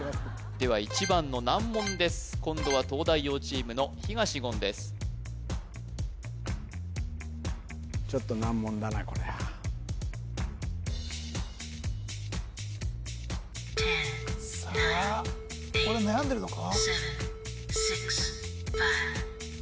では１番の難問です今度は東大王チームの東言ですちょっと難問だなこりゃこれは悩んでるのか？